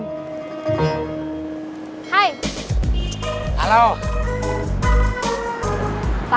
gak tahu mungkin pindah kedalem